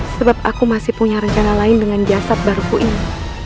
sebab aku masih punya rencana lain dengan jasad baruku ini